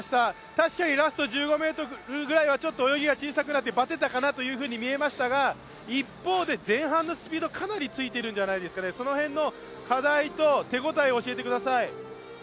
確かにラスト１５ｍぐらいはちょっと泳ぎが小さくなってバテたかなというふうに見えましたが、一方で、前半のスピードかなりついているんじゃないですかね、その辺の課題と手応え、教えてください。